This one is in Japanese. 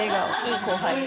いい後輩。